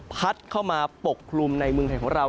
พัดเข้ามาปกคลุมในเมืองไทยของเรา